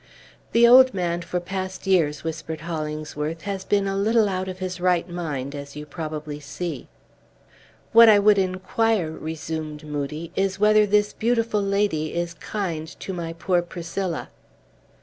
"The old man, for years past," whispered Hollingsworth, "has been a little out of his right mind, as you probably see." "What I would inquire," resumed Moodie, "is whether this beautiful lady is kind to my poor Priscilla."